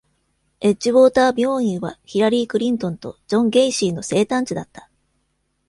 エッジウォーター病院はヒラリー・クリントンとジョン・ゲイシーの生誕地だった。